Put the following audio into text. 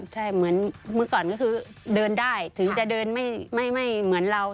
ใช่เหมือนเมื่อก่อนก็คือเดินได้ถึงจะเดินไม่เหมือนเรา